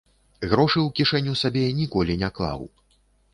Грошы ў кішэню сабе ніколі не клаў.